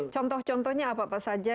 contoh contohnya apa saja